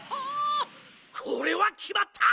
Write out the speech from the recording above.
これはきまった！